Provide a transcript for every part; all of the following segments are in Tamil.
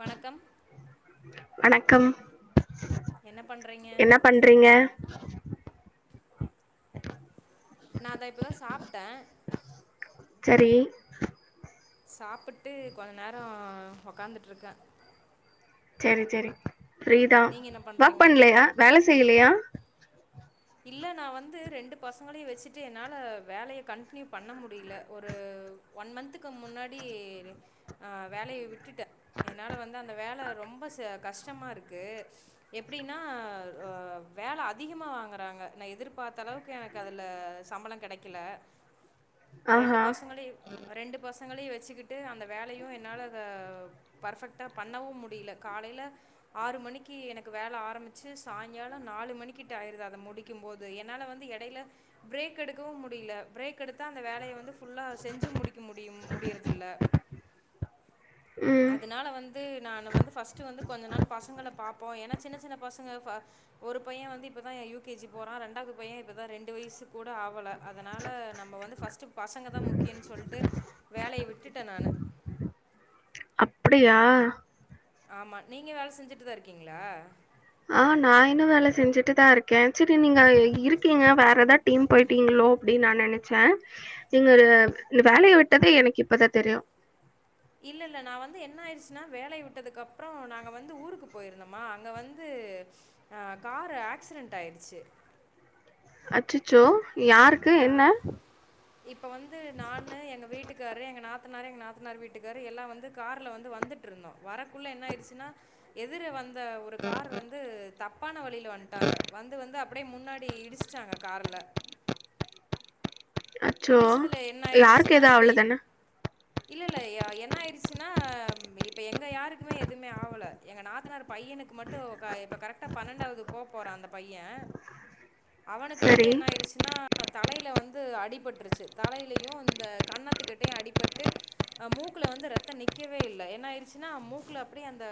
வணக்கம் வணக்கம் என்ன பண்ணுறீங்க என்ன பண்றீங்க நா இத இப்பதா சாப்ட்ட சரி சாப்புட்டு கொஞ்ச நேரம் ஒக்காந்துட்ருக்கன் சரி சரி ஃப்ரீதா நீங்கள் என்ன ஒர்க் பண்ணுறீங்க பண்லயா வேல செய்யலயா இல்ல நா வந்து ரெண்டு பசங்களையு வச்சுட்டு என்னால வேலைய கண்டினியூ பண்ண முடியல ஒரு ஒன் மந்த்க்கு முன்னாடி வேலயை விட் டுட்ட என்னால வந்து அந்த வேல ரொம்பச கஷ்டமா இருக்கு எப்படின்னா அ வேல அதிகமா வாங்க ராங்க நா எதிர்பார்த்த அளவுக்கு எனக்கு அதுல சம்பளம் கெடைக்குல ரெண்டு ஆஹா பசங்களையும் ரெண்டு பசங்களையு வ வச்சிகிட்டு அந்த வேலையும் என்னால அ பர்ஃபக்டா பண்ணவும் முடியல காலைல ஆறு மணிக்கு எனக்கு வேல ஆரம்பிச்சு சாயங்காலம் நாலு மணிக்கிட்டாயிறுது அத முடி க்கும் போது என்னால வந்து எடையில பிரேக் எடுக்கவும் முடியில பிரேக் எடுத்தா அந்த வேலய வந்து ஃபுல்லா செஞ்சு முடிக்க முடியும் முடியிறதில்ல ம் அதுனால வந்து நா வந்து ஃபர்ஸ்ட் வந்து கொஞ்ச நாள் பசங்கள பாப்போ ஏனா சின்ன சின்ன பசுங்க வ ஒரு பையன் வந்து இப்பதா யூ கேஜி போறா ரெண்டாவது பையன் இப்பதா ரெண்டு வயசு கூட ஆவல அதனால நம்ம வந்து ஃபர்ஸ்ட் பசங்க தா முக்கியன் சொல்ட்டு வேலய விட் விட்டுட்டன் நானு அப்டியா ஆமா நீங்க வேல செஞ்சுட்டுதா இருக்கீங்ளா ஆ நா இன்னு வேல செஞ்சுட்டு தாருக்கே சரி நீங்க இருக்கீங்க வேற ஏதா டீம் போயிட்டீங்ளோ அப்டின் நா நெனச்ச நீங்க வேலய விட்டது எனக்கு இப்பதா தெரியு இல்ல இல்ல நா வந்து என்ன ஆயிடுச்சுன்னா வேலைய விட்டதுக்கப்ற நாங்க வந்து ஊருக்கு போயிருந்தோமா அங்க வந்து ஆ காரு ஆக்ஸிடென்ட் ஆயிருச்சு அச்சச்சோ யாருக்கு என்ன ப்ப வந்து நானு எங்க வீட்டுக்கார்ரு எங்க நாத் நாத்தனாரு எ நாத்தனாரு வீட்டுக்கார்ரு எல்லா வந்து கார்ல வந்து வந்துட்ருந்தோ வரக்குள்ள என்ன ஆய்ச்சுன்னா எதிர வந் இந்த ஒரு காரு வந்து த தப்பான வழில வன்ட்டாங்க வந்து வந்து அ அப்டியே முன்னாடி இடிச்டாங்க கார்ல அச்சோ யாருக்கு எது ஆவ்ளதான இல்லல்ல ய என்னாயிடுச்சுனா இப்ப எங்க யாருக்குமே எதுவ்மே ஆவல எங்க நாத்தனார் பையனுக்கு மட்டு க இப்ப கரெக்டா பன்னெண்டாவுது போ போறா அந்த பைய அவனுக்கு மட்டு சரி என்னாயிருச்சுனா தலைல வந்து அடிபட் ட்ருச்சு தலைலெயு இந்த கன்னத்துகிட்டயு அடிபட்டு அ மூக்குல வந்து ரத்த நிக்கவே இல்ல என்னாயிருச்சுனா மூக்குல அப்டியே அந்த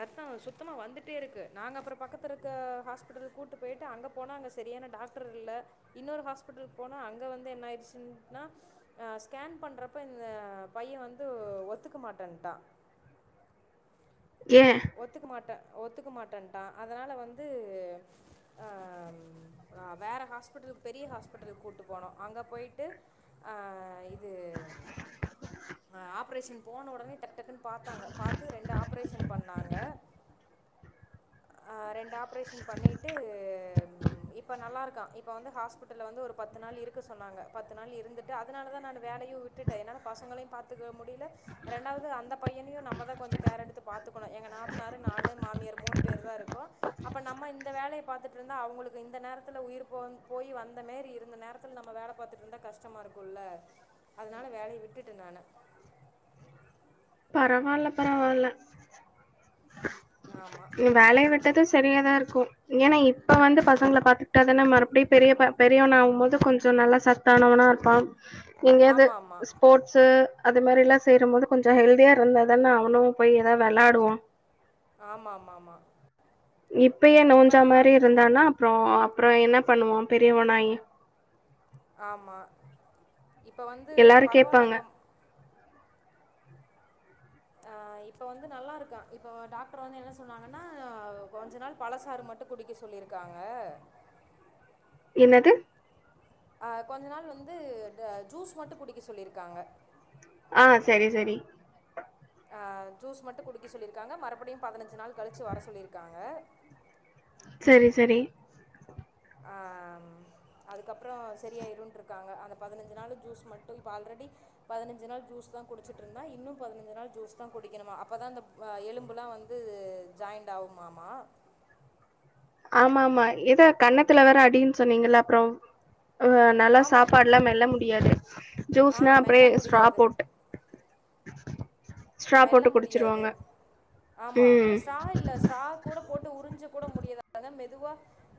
ரத்த சுத்தமா வந்துட்டேருக்கு நாங்க அப்றோ பக்கத்துருக்க ஹாஸ்பிட்டல் கூட்டு போய்ட்டு அங்க போனா அங்க செரியான டாக்டர் இல்ல இன்னொரு ஹாஸ்பிட்டல் போனா அங்க வந் து என்னாயிர்ச்சுன்னா ஆ ஸ்கேன் பண்றப்ப இந்த பைய வந்து ஒத்துக்க மாட்டன்ட்டா ஏ ஒத்துக்க மாட்ட [unintelligible] ஒத்துக்க மாட்டென்ட்டா அதனால வந்து ஆ வேற ஹாஸ்பிட்டல் பெரிய ஹாஸ்பிட்டலுக் கூட்டு போனோ அங்க போயிட்டு ஆ இது ஆ ஆப்ரேஷன் போன ஒடனே டக்கு டக்குன் பாத்தாங்க பாத்து ரெண்டு ஆப்ரேஷன் பண்ணாங்க ஆ ரெண்டு ஆப்ரேஷன் பண்ணிட்டு இப்ப நல்லாருக்கா இப்ப வந்து ஹாஸ்பிட்டல்ல வந்து ஒரு பத்து நாள் இருக்க சொன்னாங்க பத்து நாள் இருந்துட்டு அதனாலதா நானு வேலையு விட்டுட்டே என்னால பசங்கள பாத்துக்க முடில ரெண்டாவது அந்த பையனையு நம்மதா கொஞ்ச கேர் எடுத்து பாத்துக்கணு எங்க நாத்தனாரு நானு மாமியார் மூணு பேர் தாருக்கோ அப்ப நம்ம இந்த வேலைய பாத்துட்ருந்தா அவுங்களுக்கு இந்த நேரத்துல உயிர் போ போயி வந்த மாரி இருந்த நேரத்துல் நம்ம வேல பாத்துட்ருந்தா கஷ்டமாருக்குல்ல அதனால வேலைய விட்டுட்டே நானு பரவால்ல பரவால்ல ஆமாம் நீ வேலைய விட்டது சரியாதாருக்கு ஏனா இப்ப வந்து பசங்ள பாத்துக்டாதான மறுப்டி பெரிய ப பெரியவனாவு போது கொஞ்ச நல்லா சத்தானவனாருப்பா எங்யாது ஆமாம் ஆமாம் ஸ்போர்ட்ஸு அது மேரிலா சேரும்போது கொஞ்ச ஹெல் த்தியா இருந்தாதான அவனு போய் எதா வெளாடுவா ஆமாமாமா இப்பயே நோஞ்சா மாரி இருந்தானா அப்றோ அப்றோ என்ன பண்ணுவா பெரியவனாயி ஆமா இப்ப வந்து எல்லாரு பரவால்ல கேப்பாங்க இப்ப ஆ இப்ப வந்து நல்லாருக்கா இப்ப டாக்டர் வந்து என்ன சொன்னாங்கனா கொஞ்ச நாள் பழசாறு மட்டு குடிக்க சொல்லியிருக்காங்க என்னது ஆ கொஞ்ச நாள் வந்து ஜூஸ் மட்டு குடிக்க சொல்லிருக்காங்க ஆ சரி சரி அ ஜூஸ் மட்டு குடிக்க சொல்லிருக்காங்க மறுபடியு பதுனஞ்சு நாள் கழிச்சு வர சொல்லிருக்காங்க சேரி செரி ஆ ம் அதுக்கப்றோ செரியாயிருன்ட்ருக்காங்க அந்த பதுனஞ்சு நாளு ஜூஸ் மட்டு இப்ப ஆல்ரெடி பதுனஞ்சு நாள் ஜூஸ் தா குடுச்சுட்ருந்தா இன்னு பதுனஞ்சு நாள் ஜூஸ் தா குடிக்கணுமா அப்பதா அந்த வ எலும்புல்லா வந்து ஜாயிண்ட் ஆகுமாமா ஆமாமா ஏதோ கண்ணத்துல வேற அடீன் சொன்னீங்கல்ல அப்றோ ஆ நல்லா ஆமாம் சாப்பாட்லா மெல்ல முடியாது ஆ ஜூஸ்னா மெல்ல அப்படியே ஸ்ட்ரா முடியாது போட்டு ஸ்ட்ரா மெல்ல போட்டு முடியாது குடிச்சிருவாங்க ஆமா ம் ஸாட்ரா இல்ல ஸ்ட்ரா கூட போட்டு உறிஞ்ச கூட முடியது அதா மெ துவா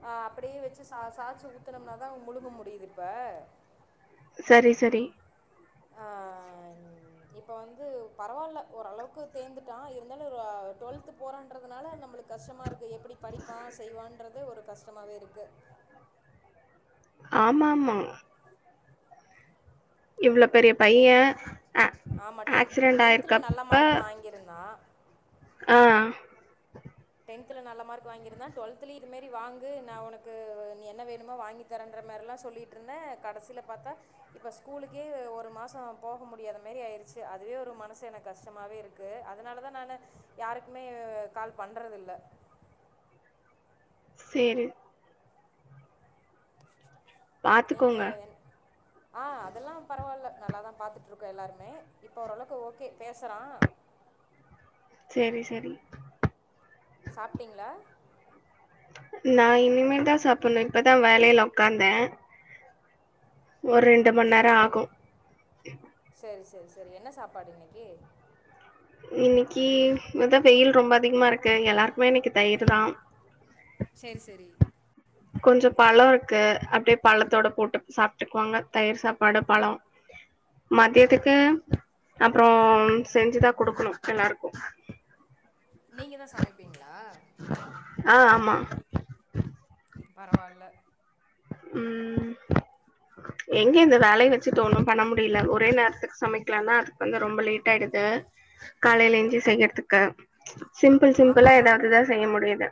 ஆ அப்புடியே வச்சு ச சாச்சு ஊத்தனம்னாதா முழுங்க முடியிது இப்ப சரி சரி அ இப்ப வந்து பரவால்ல ஓரளவுக்கு தேந்துட்டா இருந்தாலு ர ட்வெல்த் போறான்றதுனால நம்மளுக் கஷ்டமாருக்கு எப் எப்புடி படிப்பா செய்வான்ற ஒரு கஷ்டமாவே இருக்கு ஆமா ஆமா இவ்வளோ பெரிய டென்த் பையன் ஆமா டென் ஆக்சிடென்ட் டென்த்தில் நல்ல ஆயிருக்கப்ப மார்க் வாங்கியிருந்தான் ஆஹ் டென்த்தல நல்ல மார்க் வாங்கியிருந்தான் டுவெல்த்தலும் இதுமாரி வாங்க நான் உனக்கு என்ன வேணுமோ வாங்கி தரேன்ற மாதிரல்லாம் சொல்லிட்டு இருந்தேன் கடைசியில பார்த்தா இப்ப ஸ்கூலுக்கே ஒரு மாசம் போக முடியாத மாரி ஆயிருச்சு அதுவே ஒரு மனசு எனக்கு கஷ்டமவே இருக்குது அதனால தான் நான் யாருக்குமே கால் பண்ணுறதில்லை சரி பாத்துக்கோங்க ஆஹ் அதெல்லாம் பரவாயில்ல நல்லாதான் பாாரத்துட்டு இருக்கோம் எல்லாருமே இப்ப ஓரளவுக்கு ஓகே பேசுறான் சரி சரி சாப்பிட்டீங்களா நான் இனிமேதான் சாப்பிடணும் இப்பதான் வேலையில உக்காந்தேன் ஒரு ரெண்டு மணி சரி நேரம் சரி ஆகும் சரி சரி சரி என்ன சாப்பாடு இன்னைக்கு இன்னைக்கு இதான் வெயில் ரொம்ப அதிகமா இருக்கு எல்லாருக்கும் குமே தயிர்தா சரி சரி கொஞ்சம் பழம் இருக்கு அப்படியே பழத்தோட போட்டு சாப்பிட்டுக்குவாங்க தயிர் சாப்பாடு பழம் மதியத்துக்கு அப்புறம் செஞ்சுதான் கொடுக்கணும் எல்லாருக்கும் நீங்க தான் சமைப்பீங்களா ஆ ஆமா பரவாயில்ல உம் எங்க இந்த வேலைய வச்சுட்டு ஒண்ணும் பண்ண முடியல ஒரே நேரத்துக்கு சமைக்கலாம்னா அதுக்கு வந்து ரொம்ப லேட் ஆயிடுது காலையில எஞ்சி செய்யறதுக்கு சிம்பிள் சிம்பிளா ஆமாமா. ஏதாவதுதான் செய்ய முடியுது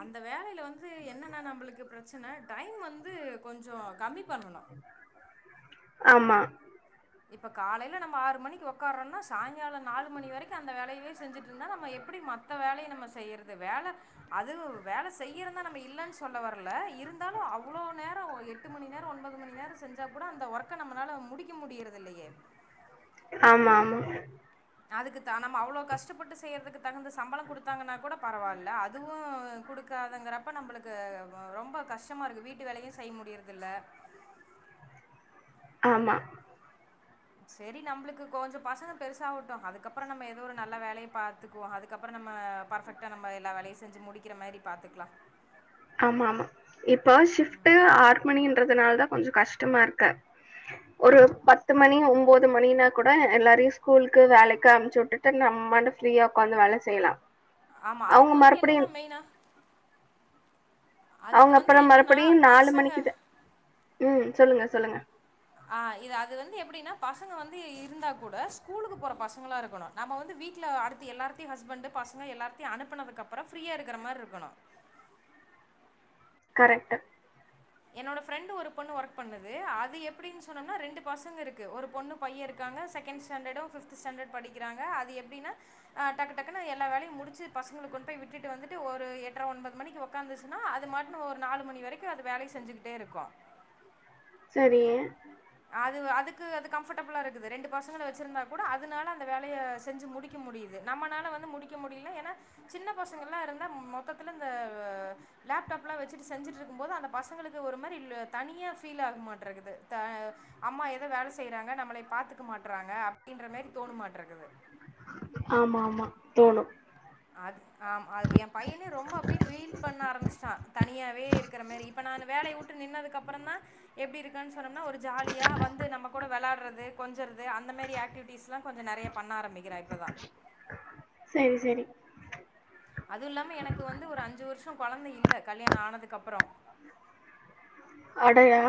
அந்த வேலையில வந்து என்னன்னா நம்மளுக்கு பிரச்சனை டைம் வந்து கொஞ்சம் கம்மி பண்ணணும் ஆமா இப்ப காலையில நம்ம ஆறு மணிக்கு உக்காறோம்னா சாயங்காலோ நாலு மணி வரைக்கு அந்த வேலையவே செஞ்சுட்டு இருந்தா நம்ம எப்படி மத்த வேலைய நம்ம செய்யறது வேல அது வேல செய்யறந்தா நம்ம இல்லன்னு சொல்ல வரல இருந்தாலு அவ்வுளோ நேரோ எட்டு மணி நேரோ ஒன்பது மணி நேரோ செஞ்சா கூட அந்த ஒர்க்க நம்மளால முடிக்க முடியறது முடியறதில்லையே ஆமா ஆமா அதுக்கு தான் நம்ம அவ்வளவு கஷ்டப்பட்டு செய்யறதுக்கு தகுந்த சம்பளம் குடுத்தாங்கன்னா கூட பரவால்ல அதுவு குடுக்காதுங்கறப்ப நம்மளுக்கு ரொம்ப கஷ்டமா இருக்கு வீட்டு வேலையு செய்ய முடியறது இல்ல ஆமா செரி நம்மளுக்கு கொஞ்சு பசங்க பெருசாகட்டு அதுக்கப்புறோ நம்ம ஏதோ ஒரு நல்ல வேலைய பாத்துக்குவோ அதுக்கப்புறோ நம்ம பர்ஃபெக்டா நம்ம எல்லா வேலையு செஞ்சு முடிக்கிற மாரி பாத்துக்கலா ஆமா ஆமா இப்போ ஷிப்ட்டு ஆறு மணன்றதுனால தா கொஞ்சு கஷ்டமா இருக்கு ஒரு பத்து மணி ஒம்போது மணினா கூட எல்லாரையு ஸ்கூலுக்கு வேலைக்கு அனும்பிச்சு விட்டுட்டு நம்மபாட்டுக்கு ஃப்ரீயா உடக்காந்து வேல செய்யலா ஆமா அதுக்கு அவங்க வந்து மறுபடியு என்னன்னா மெயினா அவங்க அப்புறோ மறுபடியு நாலு மணிக்குதா உம் சொல்லுங்க சொல்லுங்க ஆ இது அது வந்து எப்படின்னா பசங்க வந்து இருந்தா கூட ஸ்கூலுக்கு போற பசங்களா இருக்கணு நம்ம வந்து வீட்டுல அடுத்து எல்லாரத்தையு ஹஸ்பண்ட் பசங்க எல்லாரத்தையும் அனுப்பனதுக்கு அப்புறம் ஃப்ரீயா இருக்கிற மாதிரி இருக்கணு கரெக்ட்டு என்னோட ஃபிரண்டு ஒரு பொண்ணு வர்க் பண்ணுது அது எப்பிடின்னு சொன்னோம்னா ரெண்டு பசங்க இருக்கு ஒரு பொண்ணு பைய இருக்காங்க செக்கெண்டு ஸ்டேன்டடும் ஃவ்து ஸ்டேன்டடு படிக்குராங்க அது எப்பிடினா ஆ டக்குடக்குனு எல்லா வேளையு முடிச்சி பசங்கள கொண்டு போய் விட்டுட்டு வந்துட்டு ஒரு எட்டரை ஒன்பது மணிக்கு ஒக்காந்துச்சின்னா அதுமாட்டுல ஒரு நாளு மணி வரைக்கு அது வேலைய செஞ்சுக்கிட்டே இருக்கு சரி அது அதுக்கு அது கம்ஃபர்டபுளா இருக்குது ரெண்டு பசங்கள வெச்சுருந்தா கூட அதனால அந்த வேலைய செஞ்சு முடிக்க முடியுது நம்மனால வந்து முடிக்க முடியல்னா ஏன்னா சின்ன பசங்கள்லா இருந்தா மொத்தத்தில இந்த ஆ லேப்டாப்லா வெச்சுட்டு செஞ்சுட்டுருக்கும் போது அந்த பசங்களுக்கு ஒரு மாரி இல் தனியா ஃபீல் ஆக மாட்டே இருக்குது த அம்மா எதோ வேல செய்றாங்க நம்ள பாத்துக்க மாட்டறாங்க அப்டின்ற மாரி தோணு மாட்ருக்குது ஆமா ஆமா தோணு அது ஆம் அது ஏ பைய்னே ரொம்ப அப்டி ஃபீல் பண்ண ஆரம்பிஸ்டா தனியாவே இருக்கிற மாரி இப்ப நானு வேலய் வுட்டு நின்னதுக்கப்பறந்தா எப்டி இருக்கான்னா சொன்னொம்னா ஒரு ஜாலியா வந்து நம்ம குட வெளாட்றது கொஞ்சறது அந்த மாரி ஆக்டிவிட்டிஸ்லா கொஞ்சு நெறய பண்ணாரம்பிக்கிறா இப்பதா செரி செரி அதுவுல்லாம எனக்கு வந்து ஒரு அஞ்சு வர்ஷோ கொழந்த இல்ல கல்யாணோ ஆனதுக் கப்பறோ டையா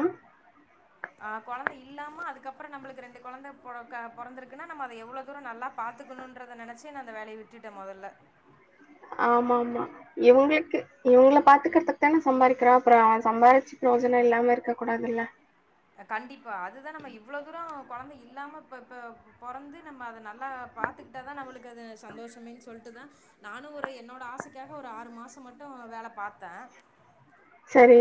ஆ கொழந்த இல்லாம அதுக்கப்பொற நம்பளுக்கு ரெண்டு கொழந்த பொறக்க பொறந்திருக்குன்னா நம்ம அத எவ்ளோ தூரொ நல்லா பாத்துக்குணுன்றத நெனச்சி நா அந்த வேலய விட்டுட்டே மொதல்ல ஆமாம்மா இவுங்குளுக்கு இவங்ள பாத்துக்கிறதுக்கு தான சம்பாதிக்றோ அப்றோ சம்பாரிச்சு பிரோஜனம் இல்லாம இருக்க கூடாதில்ல கண்டிப்பா அதுதா நம்ம இவ்ளோ தூரோ கொழந்த இல்லாம ப்ப ப்ப பொறந்து நம்ம அத நல் ஆ பாத்துக்ட்டா தா நம்புளுக்கு அது சந்தோஷமேன்னு சொல்லி டுதுதா நானு ஒரு என்னோட ஆசைக்காக ஒரு ஆறு மாசம் மட்டு வேல பாத்தே சரி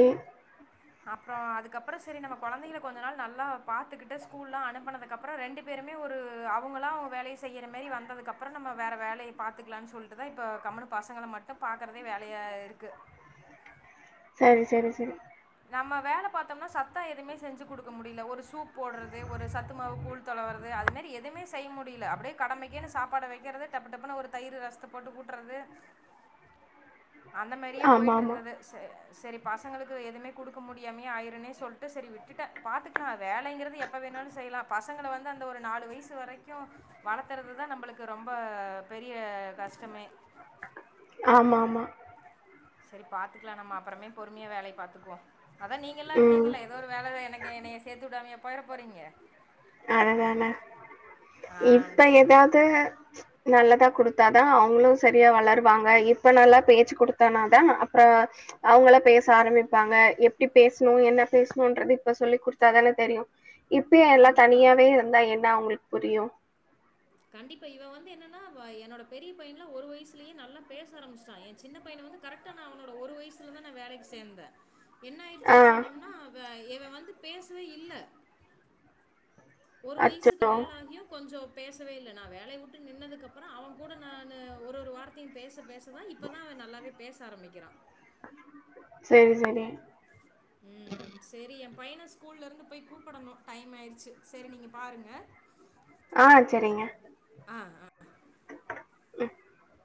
அப்றொ அதுக்கப்றொ செரி நம்ம கொழந்திகள கொஞ்சு நாள் நல்லா பார்த்துகுட்டு ஸ்கூல்லா அனுப்பனதுக்கப்றொ ரெண்டு பேருமே ஒரு அவங்களா வேலய் செய்யற மாரி வந்ததுக்கப்புறோ நம்ம வேற வேலைய பாத்துக்கலானு சொல் துதா இப்ப கம்முனு பசங்கள மட்டும் பாக்குறதே வேலயா இருக்கு செரி செரி நம்ம வேல பாத்தொம்னா சத்தா எதுவுமே செஞ்சு குடுக்க முடியல ஒரு சூப் போட்றது ஒரு சத்து மாவு கூழ் தொளவ்ற்து அது மேரி எதுமே செய் முடிய்ல அப்டே கடமைக்கீன்னு சாப்பாட வைக்கிறது டப்பு டப்புனு ஒரு தயிரு ரஸ்த போட்டு கூட்டறது அந்த மாரியே ஆமா ஆமா போய்ட்டிருந்தது ச செரி பசங்களுக்கு எதுமே குடுக்க முடியாம்யே ஆயிர்ரனே சொல்ட்டு செரி விட்டுட்டே பாத்துக்லா வேலைங்கிறது எப்ப வேண்ணாலு செய்லா பசங்கள வந் து அந்த ஒரு நாலு வய்சு வரைக் க்கு வளத்தறதுதா நம்பளுக்கு ரொம்ப பெரிய கஷ்டமே ஆமா ஆமா செரி பாத்துக்லா நம்ம அப்பறமே பொறும்ய வேலை பாத்துக்குவோ அதா நீங்கெல்லா ம் இருக்கீங்கள்ல எதோ ஒரு வேல எனக்கு என்னய சேர்த்துட்டாமெயா போயிற போறீங்க அததான ஆ இப்ப சேரி எதாவ்து ச்ச் நல்லதா குடுத் த்தாதா அவ்ங்ளு செரியா வளர்வாங்க இப்ப நல்லா பேச்சு குடுத்தானாதா அப்ப அவ்ங்கள பேச ஆரம்பிப்பாங்க எப்டி பேஸ்ணு என்ன பேஸ்ணுன்றது இப்ப சொல்லி குடுத்தாதான தெரியு இப்பெ எல்லா கண்டிப்பா தனியாவே இருந்தா என் ன அவ்ங்ளுக் புரியு கண்டிப்பா இவ வந்து என்னன்னா அ என்னோட பெரிய் பைய்ன்லா ஒரு வய்ஸ்லயே நல்லா பேசாரம்பிஸ்ட்டா எ சின்ன பைய்ன வந்து கரெட்டா நா அவனோட ஒரு வயஸ்லதா நா வேலைக் சேந்தே என்ன ஆ ஆயிடுச்சுன்னு சொன்னோம்னா வ இவ வந்து பேசவே இல்ல ஒரு வயசுக்கு அச்சோ மேலாகியு கொஞ்சோ பேசவே இல்ல நா வேலய வுட்டு நின்னதுக்கு அப்பறோ அவ கூட நானு ஒரு ஒரு வார்த்தியு பேச பேச தா இப்பதா அவ நல்லாவேப் பேச ஆரம்பிக்கிறா செரி செரி ம் சேரி எ பையன ஸ்கூல்லருந்து போய் கூப்பிடணு டைம் ஆயிடுச்சு செரி நீங்க பாருங்க அ செரிங்க ஆ ம்